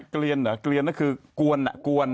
กลียนเหรอกลียนน่ะคือกวนอ่ะกวน